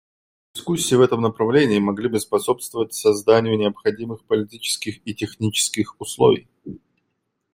Дискуссии в этом направлении могли бы способствовать созданию необходимых политических и технических условий.